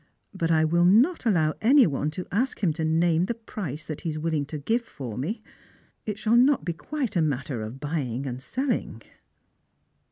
But I will not allow any one to ask him to name the price that he is willing to give for me. It shall not be quite a matter 01 buying and selling."